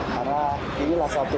karena inilah satu